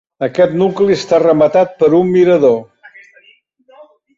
Aquest nucli està rematat per un mirador.